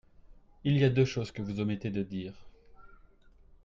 Il y a deux choses que vous omettez de dire.